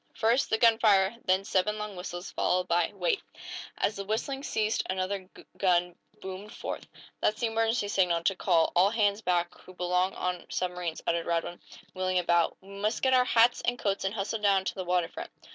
"First, the gunfire, then seven long whistles, followed by wait!" As the whistling ceased another gun boomed forth. "That's the emergency signal, to call all hands back who belong on submarines," uttered Radwin, wheeling about. "We must get our hats and coats, and hustle down to the water front."